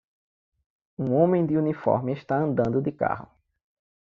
Um homem de uniforme está andando de carro.